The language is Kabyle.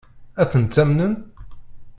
Ad tent-amnen?